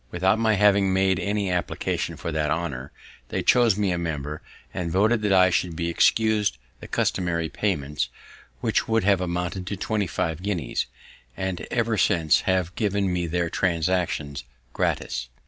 Without my having made any application for that honour, they chose me a member, and voted that I should be excus'd the customary payments, which would have amounted to twenty five guineas; and ever since have given me their Transactions gratis.